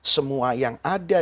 semua yang ada